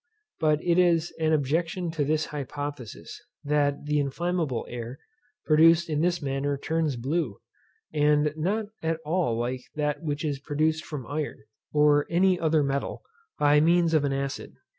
But it is an objection to this hypothesis, that the inflammable air produced in this manner burns blue, and not at all like that which is produced from iron, or any other metal, by means of an acid.